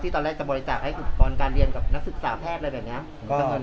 ที่ตอนแรกจะบริจาคการเรียนกับนักศึกษาแพทย์อะไรแบบนี้